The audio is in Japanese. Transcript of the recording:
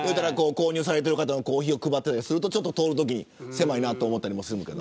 購入されている方にコーヒーを配っていたりすると狭いなと思ったりもする。